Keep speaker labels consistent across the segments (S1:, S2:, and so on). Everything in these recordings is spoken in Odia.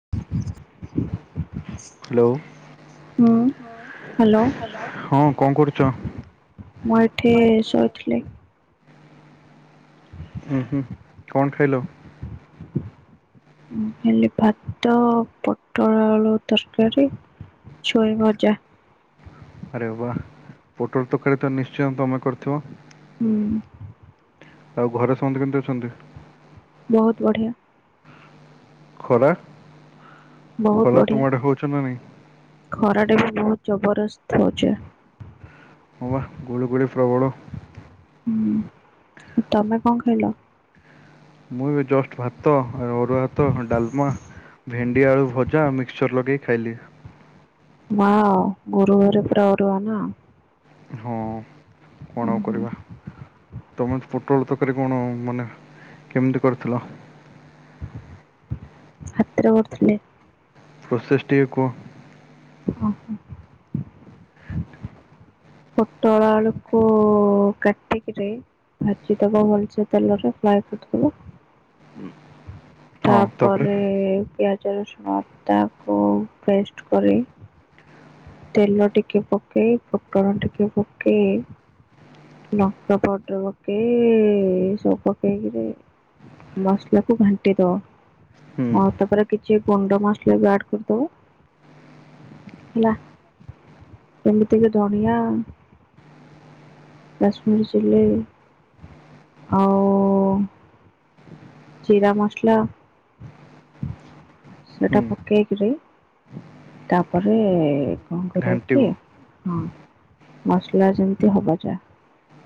S1: [inaudible]
S2: ହ୍ୟାଲୋ
S1: ହୁଁ, ହ୍ୟାଲୋ।
S2: ହଁ କଣ କରୁଛ?
S1: ମୁଁ ଏଠି ଶୋଇଥିଲି।
S2: ହୁଁ, ହୁଁ, କଣ ଖାଇଲ? [inaudible]
S1: ଉଁ, ଖାଲି ଭାତ ପୋଟଳ ଆଳୁ ତରକାରୀ ଛୁଇଁ ଭଜା।
S2: ଆରେ ବାଃ ପୋଟଳ ତରକାରୀ ତ ନିଶ୍ଚୟ ତୋମେ କରିଥିବ?
S1: ହୁଁ।
S2: ଆଉ ଘରେ ସମସ୍ତେ କେମିତି ଅଛନ୍ତି?
S1: ବହୁତ ବଢ଼ିଆ।
S2: ଖରା
S1: ବହୁତ
S2: ଖରା ତୁମ
S1: ବଢିଆ।
S2: ଆଡେ ହଉଛି ନା ନାଇଁ?
S1: ଖରା ଟା ବି ବହୁତ ଜବରଦସ୍ତ ହଉଛି।
S2: ଓଃ ଗୁଳୁ ଗୁଳି ପ୍ରବଳ।
S1: ହୁଁ, ତୋମେ କଣ ଖାଇଲ?
S2: ମୁଁ ବି ଜଷ୍ଟ ଭାତ ଅରୁଆ ଭାତ ଡାଲମା ଭେଣ୍ଡି ଆଳୁ ଭଜା ମିକ୍ସଚର୍ ଲଗେଇ ଖାଇଲି।
S1: ମା ଅ, ଗୁରୁବାରେ ପୁରା ଅରୁଆ ନା?
S2: ହଁ
S1: ଉଁ
S2: କଣ ଆଉ
S1: ହୁଁ,
S2: କରିବା, ତୋମେ ପୋଟଳ ତରକାରୀ କଣ ମାନେ କେମିତି କରିଥିଲ?
S1: ହାତରେ କରିଥିଲି।
S2: ପ୍ରୋସେସ୍ ଟିକେ କୁହ।
S1: ଓ ହୋ। ପୋଟଳ ଆକୁ କୁ କାଟିକିରି ଭାଜିଦବ ଭଲସେ ତେଲରେ ଫ୍ଲାଏ କରିଦବ।
S2: ଉଁ,
S1: ତାପରେ ପିଆଜ ରସୁଣ ତାକୁ ପେଷ୍ଟ କରି ତେଲ ଟିକେ ପକେଇ ଫୁଟଣ ଟିକେ ପକେଇ ଲଙ୍କା ପାଉଡର ପକେଇ ସବୁ ପକେଇକିରି ମସଲାକୁ ଘାଣ୍ଟି ଦବ।
S2: ହୁଁ
S1: ହଉ ତାପରେ କିଛି ଗୁଣ୍ଡ ମସଲା ବି ଆଡ କରିଦବୁ। ହେଲା ଏମିତିକି ଧଣିଆ। କାଶ୍ମୀର ଚିଲ୍ଲି ଆଉ ଜିରା ମସଲା।
S2: ହୁଁ
S1: ସେଇଟା ପକେଇକିରି ତାପରେ କଣ କରିବୁ
S2: ଘାଣ୍ଟିବ
S1: କି? ହଁ ମସଲା ଯେମିତି ହବ ଯା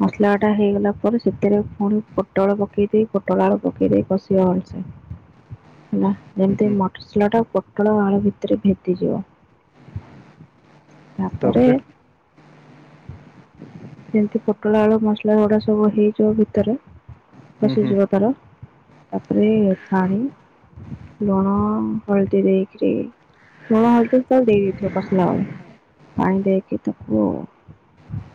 S1: ମସଲାଟା ହେଇଗଲା ପରେ ସେଥିରେ ପୁଣି ପୋଟଳ ପକାଇ ଦେଇ ପୋଟଳ ଆଳୁ ପକାଇ ଦେଇ କଷିବା ଭଲସେ
S2: ହୁଁ
S1: ହେଲା ଯେମିତି
S2: ହୁଁ
S1: ମ୍ ସଲା ଟା ପୋଟଳ ଆଳୁ ଭିତରେ ଭେଦିଯିବ। ତାପରେ ଯେମତି ପୋଟଳ ଆଳୁ ମସଲା ଗୁଡା ସବୁ ହେଇଯିବ ଭିତରେ
S2: ହୁଁ ହୁଁ
S1: ପସିିଯିବ ତାର ତାପରେ ପାଣି ଲୁଣ ହଳଦୀ ଦେଇକିରି ଲୁଣ ହଳଦୀ ତାଲେ ଦେଇଦେଇଥିବ କସିଲା ବେଳେ ପାଣି ଦେଇକି ତାକୁ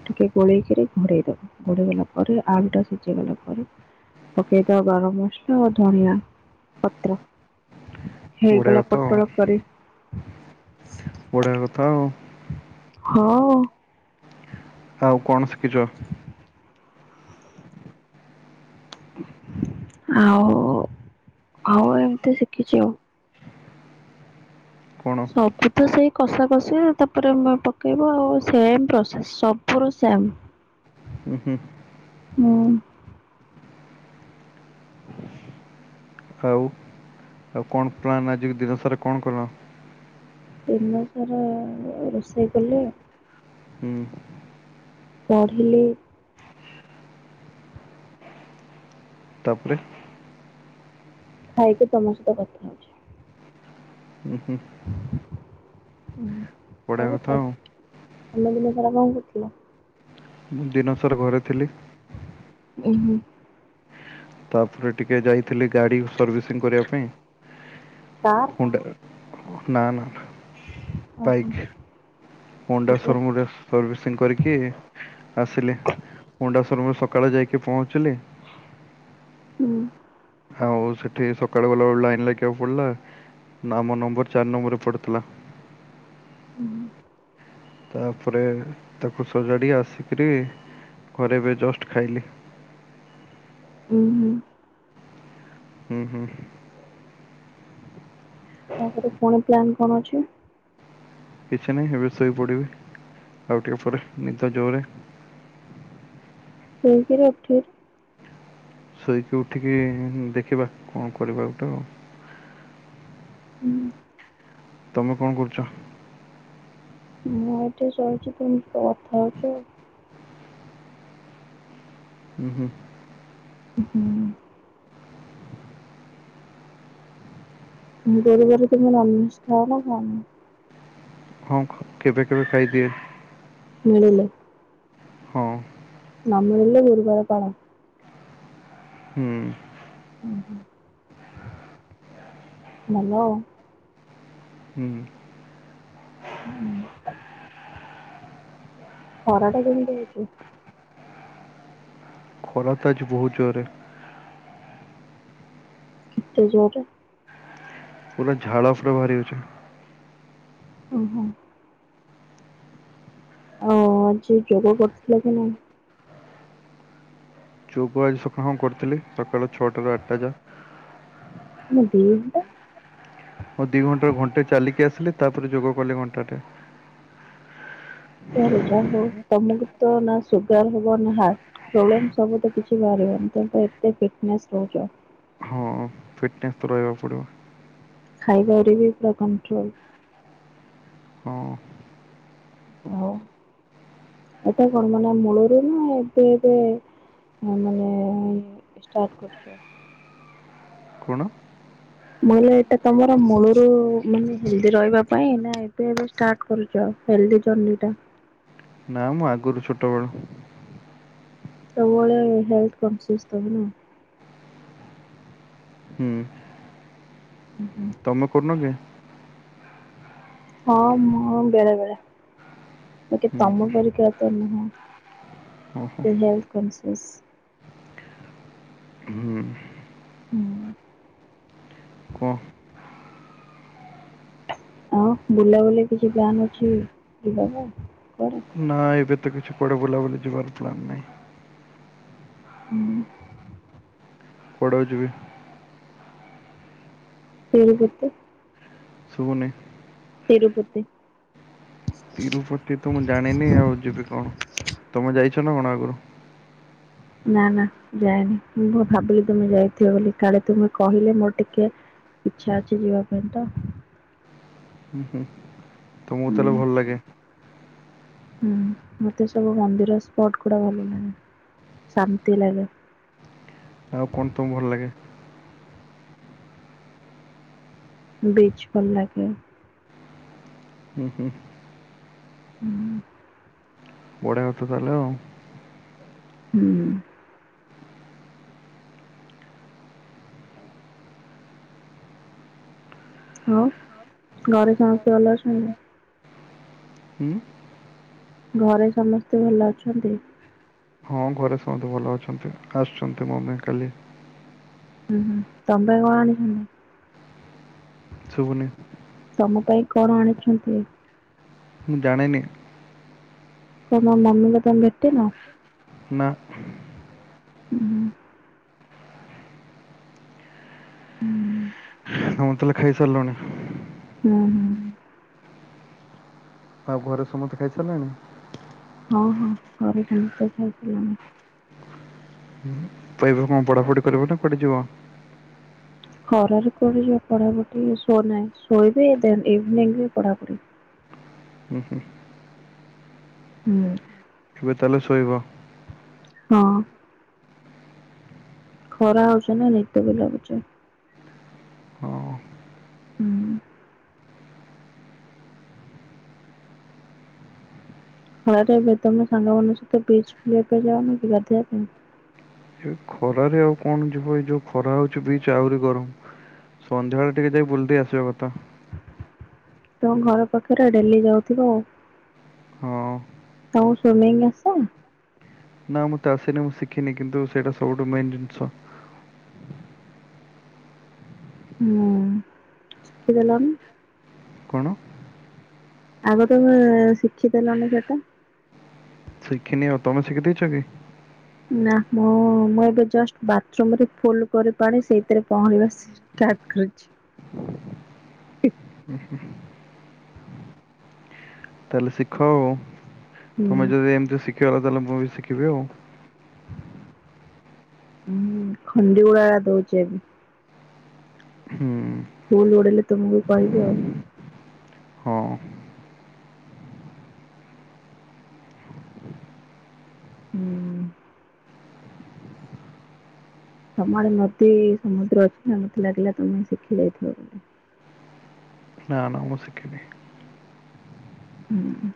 S1: ଟିକେ ଗୋଳେଇକିରି ଘୋଡେଇ ଦବ ଘୋଡେଇ ଦେଲା ପରେ ଆଳୁଟା ସିଝେଇ ଗଲା ପରେ ପକେଇଦବ ଗରମ ମସଲ ଆଉ ଧଣିଆ ପତ୍ର।
S2: ବଢିଆ
S1: ହେଇଗଲା
S2: କଥା ଆଉ।
S1: ପୋଟଳ କରି।
S2: ବଢିଆ କଥା ଆଉ
S1: ହଁ।
S2: ଆଉ କଣ ଶିଖିଛ?
S1: ଆଉ ଆଉ ଏମିତି ଶିଖିଛି ଆଉ
S2: କଣ
S1: ସବୁ ତ ସେଇ କଷା କଷି ତାପରେେ ପକେଇବ ଆଉ ସେମ ପ୍ରସେସ ସବୁର ସେମ
S2: ହୁଁ
S1: ମୁଁ
S2: ଆଉ ଆଉ କଣ ପ୍ଲାନ ଆଜି ଦିନ ସାରା କଣ କଲ?
S1: ଦିନ ସାରା ରୋଷେଇ କଲି ଆଉ
S2: ହୁଁ।
S1: ପଢ଼ିଲି।
S2: ତାପରେ
S1: ଖାଇକି ତମ ସହିତ କଥା ହଉଛି।
S2: ହୁଁ ହୁଁ।
S1: ଓ
S2: ବଢ଼ିଆ
S1: ଆଉ
S2: କଥା
S1: ତ ତମେ ଦିନ ସାରା କଣ କରୁଥିଲ?
S2: ଦିନସାରା ଘରେ ଥିଲି।
S1: ହୁଁ।
S2: ତାପରେ ଟିକେ ଯାଇଥିଲି ଗାଡି ସର୍ଭିସିଂ କରିବା ପାଇଁ
S1: କାର୍
S2: ହୋଣ୍ଡା ନା ନା।
S1: ଓହୋ। ଏଇଠୁ
S2: ସୋ ରୁମରୁ ସର୍ଭିସିଂ କରିକି ଆସିଲି। ହୋଣ୍ଡା ସୋ ରୁମରେ ସକାଳେ ଯାଇକି ପହଞ୍ଚିଲି।
S1: ହୁଁ।
S2: ଆଉ ସେଠି ସକାଳୁ ଗଲା ବେଳକୁ ଲାଇନ ଲାଗିବାକୁ ପଡିଲା ନା ମୋ ନମ୍ବର ଚାରି ନମ୍ବରରେ ପଡ଼ିଥିଲା।
S1: ହୁଁ
S2: ତାପରେ ତାକୁ ସଜାଡ଼ି ଆସିକିରି ଘରେ ଏବେ ଜଷ୍ଟ ଖାଇଲି।
S1: ହୁଁ ହୁଁ।
S2: ହୁଁ ହୁଁ।
S1: ତାପରେ ଫୁଣି ପ୍ଲାନ କଣ ଅଛି?
S2: କିଛି ନାହିଁ ଏବେ ଶୋଇପଡିବି ଆଉ ଟିକେ ପରେ ନିଦ ଜୋରେ
S1: ଶୋଇକିରି ଉଠିଲି
S2: ଶୋଇକି ଉଠିକି ଦେଖିବା କଣ କରିବା ଗୋଟେ ଆଉ।
S1: ହୁଁ।
S2: ତମେ କଣ କରୁଛ?
S1: ମୁଁ ଏଠି ଶୋଇକି ତୁମ ସହ କଥା ହଉଛି ଆଉ।
S2: ହୁଁ ହୁଁ।
S1: ହୁଁ। ଗୁରୁବାରେ ତମେ ନନ୍ ଭେଜ୍ ଖାଅ ନା ଖାଅନି?
S2: ହଁ କେବେ କେବେ ଖାଇଦିଏ।
S1: ମିଳିଲେ
S2: ହଁ
S1: ନ ମିଳିଲେ ଗୁରୁବାର ପାଳ
S2: ହୁଁ।
S1: ହୁଁ ହୁଁ। ହ୍ୟାଲୋ।
S2: ହୁଁ।
S1: ହୁଁ। ଖରା ଟା କେମିତି ହଉଛି?
S2: ଖରା ତ ଆଜି ବହୁତ ଜୋରେ
S1: କେତେ ଜୋରେ?
S2: ପୁରା ଝାଳ ପୁରା ବାହାରି ଯାଉଛି।
S1: ଓ ହୋ। ଓ ଆଜି ଯୋଗ କରିଥିଲ କି ନାହିଁ?
S2: ଯୋଗ ଆଜି ସକାଳେ ହଁ କରିଥିଲି ସକାଳ ଛଅଟାରୁ ଆଠଟା ଯାଏ।
S1: ହଁ ଦି ଟା
S2: ଉ ଦି ଘଣ୍ଟାର ଘଣ୍ଟେ ଚାଲିକି ଆସିଲି ତାପରେ ଯୋଗ କଲି ଘଣ୍ଟାଟେ,
S1: ଯାହା ହଉ ତମକୁ ତ ନା ସୁଗାର ହବ ନା ହାଟ ପ୍ରୋବ୍ଲେମ୍ ସବୁ ତ କିଛି ବାହାରିବନି ତ ଏତେ ଫିଟ୍ ନେସ୍ ରହୁଛ।
S2: ହଁ ଫିଟନେସ୍ ତ ରହିବାକୁ ପଡ଼ିବ।
S1: ଖାଇବାରେ ବି ପୁରା କଣ୍ଟ୍ରୋଲ?
S2: ହଁ।
S1: ଆଉ ଏଟା କଣ ମାନେ ମୂଳରୁ ନା ଏବେ ଏବେ ମାନେ ଷ୍ଟାର୍ଟ କରୁଛ
S2: କ'ଣ
S1: ନହେଲେ ଏଇଟା ତମର ମୂଳରୁ ମାନେ ହେଲଦି ରହିବା ପାଇଁ ନା ଏବେ ଏବେ ଟା କରୁଛ ହେଲ୍ଦି ଜର୍ନି ଟା
S2: ନା ମୁଁ ଆଗରୁ ଛୋଟବେଳୁ
S1: ସବୁବେଳେ ହେଲଥ କନ୍ସିଅସ୍ ତାହାଲେ ଆଉ।
S2: ହୁଁ
S1: ଉହୁଁ।
S2: ତମେ କରୁନ କି?
S1: ହଁ ମୁଁ ବେଳେ ବେଳେ ବାକି
S2: ହୁଁ
S1: ତମ ପରିକା ତ ନୁହଁ।
S2: ଓହୋ
S1: ଏତେ ହେଲଥ କନ୍ସିଅସ୍।
S2: ହୁଁ।
S1: ହୁଁ।
S2: କୁହ?
S1: ଆଉ ବୁଲାବୁଲି କିଛି ପ୍ଲାନ୍ ଅଛି ଯିବାକୁ କୁଆଡେ?
S2: ନା ଏବେ ତ କିଛି କୁଆଡେ ବୁଲାବୁଲି ଯିବାର ପ୍ଲାନ୍ ନାହିଁ।
S1: ହୁଁ।
S2: ପଢ଼ିବାକୁ ଯିବି।
S1: [inaudible] ଯିବେ?
S2: ଶୁୁବୁନି।
S1: ତିରୁପତି।
S2: ତିରୁପତି ତ ମୁଁ ଜାଣିନି ଆଉ ଯିବି କଣ ତମେ ଯାଇଛ ନା କଣ ଆଗୁରୁ?
S1: ନା ନା ଯାଏନି ମୁଁ ବ ଭାବିଲି ତୁମେ ଯାଇଥିବ ବୋଲି କାଳେ ତୁମେ କହିଲେ ମୋର ଟିକେ ଇଚ୍ଛା ଅଛି ଯିବା ପାଇଁ ତ।
S2: ହୁଁ ହୁଁ ତମୁକୁ
S1: ହୁଁ
S2: ତାହେଲେ ଭଲ ଲାଗେ?
S1: ହୁଁ ମତେ ସବୁ ମନ୍ଦିର ସ୍ପଟ ଗୁଡା ଭଲ ଲାଗେ ଶାନ୍ତି ଲାଗେ।
S2: ଆଉ କଣ ତମୁ ଭଲ ଲାଗେ?
S1: ବିଚ୍ ଭଲ ଲାଗେ।
S2: ହୁଁ ହୁଁ।
S1: ହୁଁ।
S2: ଵଢିଆ କଥା ତାହେଲେ ଆଉ।
S1: ହୁଁ। ଆଉ ଘରେ ସମସ୍ତେ ଭଲ ଅଛନ୍ତି?
S2: ହୁଁ।
S1: ଘରେ ସମସ୍ତେ ଭଲ ଅଛନ୍ତି?
S2: ହଁ ଘରେ ସମସ୍ତେ ଭଲ ଅଛନ୍ତି ଆସୁଚନ୍ତି ମମି କାଲି।
S1: ହୁଁ ହୁଁ ତମ ପାଇଁ କଣ ଆଣିଛନ୍ତି?
S2: ଶୁବୁନି।
S1: ତମ ପାଇଁ କଣ ଆଣିଛନ୍ତି?
S2: ମୁଁ ଜାଣେନି।
S1: ତମ ମମି ଙ୍କୁ ତମେ ଭେଟିନ?
S2: ନା।
S1: ହୁଁ। ହୁଁ।
S2: ତମେ ତାହେଲେ ଖାଇ ସାରିଲଣି?
S1: ହଁ ହଁ।
S2: ଆଉ ଘରେ ସମସ୍ତେ ଖାଇସାରିଲେଣି?
S1: ହଁ ହଁ ଘରେ ସମସ୍ତେ ଖାଇସାରିଲେଣି।
S2: ହୁଁ ହୁଁ। ତ ଏବେ କଣ ପଢା ପଢି କରିବ ନା କୁଆଡେ ଯିବ?
S1: ଖରାରେ କୋଉଠି ଯିବ ପଢା ପଢି ଶୋ ନାଇଁ ଶୋଇବି ଦେନ୍ ଇଭିନିଂ ରେ ପଢା ପଢି।
S2: ହୁଁ ହୁଁ।
S1: ହୁଁ।
S2: ଏବେ ତାହେଲେ ଶୋଇବ?
S1: ହଁ। ଖରା ହଉଚି ନା ନିଦ ବି ଲାଗୁଚି।
S2: ହଁ
S1: ଉଁ ଉଁ। ଖରା ତ ଏବେ ତମେ ସାଙ୍ଗମାନଙ୍କ ସହିତ ବିଚ୍ ବୁଲିଆ ପାଇଁ ଯାଉନ କି ଗାଧେୟା ପାଇଁ?
S2: ଏ ଖରାରେ ଆଉ କଣ ଯିବୁ ଏଇ ଯୋଉ ଖରା ହଉଛି ବିଚ୍ ଆହୁରି ଗରମ। ସନ୍ଧ୍ୟାବେଳେ ଟିକେ ଯାଇ ବୁଲି ଦେଇ ଆସିବା କଥା।
S1: ତମ ଘର ପାଖେରେ ଡେଲି ଯାଉଥିବ ଆଉ।
S2: ହଁ
S1: ତମୁକୁ ସ୍ଵିମିଙ୍ଗ୍ ଆସେ?
S2: ନା ମୋତେ ଆସେନି ମୁଁ ଶିଖିନି କିନ୍ତୁ ସେଇଟା ସବୁଠୁ ମେନ୍ ଜିନିଷ।
S1: ଉଁ ଅଁ ଶିଖି ଦେଲନି।
S2: କଣ?
S1: ଆଗ ତମେ ଶିଖି ଦେଲନି ସେଟା।
S2: ଶିଖିନି ଆଉ ତମେ ଶିଖି ଦେଇଚ କି?
S1: ନା ମୁଁ ମୁଁ ଏବେ ଜଷ୍ଟ ବାଥରୁମରେ ଫୁଲ କରି ପାଣି ସେଇତେରେ ପହଁରିବା ଷ୍ଟାଟ୍ କରୁଚି।
S2: [inaudible] ତାହେଲେ ଶିଖ ଆଉ,
S1: ହୁଁ
S2: ତମେ ଯଦି ଏମିତି ଶିଖିଗଲ ତାହେଲେ ମୁଁ ବି ଶିଖିବି ଆଉ।
S1: ହଁ ଖଣ୍ଡିଗୁଡା ଦଉଛେ ଏ।
S2: ହୁଁ ଉଁ।
S1: ଫୁଲ ଓଡ଼େଇଲେ ତମକୁ କହିବି ଆଉ।
S2: ହଁ
S1: ହୁଁ ତମ ଆଡ଼େ ନଦୀ ସମୁଦ୍ର ଅଛି ନା ମତେ ଲାଗିଲା ତମେ ଶିଖି ଯାଇଥିବ ବଧେ?
S2: ନା ନା ମୁଁ ଶିଖିନି।
S1: ହଁ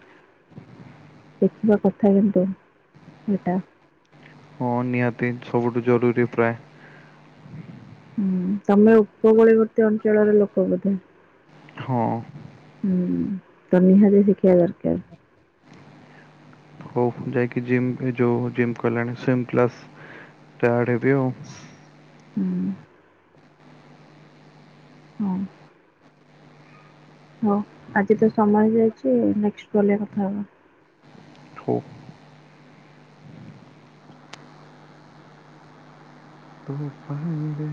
S1: ଶିଖିବା କଥା କିନ୍ତୁ ଏଇଟା।
S2: ହଁ ନିହାତି ସବୁଠୁ ଜରୁରୀ ପ୍ରାୟ
S1: ହୁଁ ତମେ ଉପକୂଳବର୍ତ୍ତୀ ଅଞ୍ଚଳର ଲୋକ ବୋଧେ?
S2: ହଁ
S1: ହୁଁ ତ ନିହାତି ଶିଖିବା ଦରକାର।
S2: ହୁ ଯାଇକି ଯିମ୍ ଏ ଯୋଉ ଜି କଲାଣି୍ ସେମ୍ କ୍ଲାସ୍ ଟାଏଡ଼େ ହେବି ଆଉ।
S1: ହୁଁ ହଁ ହଉ ଆଜି ତ ସମୟ ହେଇଯାଇଛି, ନେକ୍ସଟ୍ କଲରେ କଥା ହବା।
S2: ହଉ। ତୋ ପାଇଁ ରେ